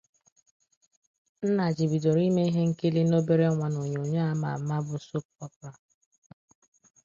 Nnaji bidoro Ime ihe nkili na obere nwa na Onyonyo ama amaa bu soap opera.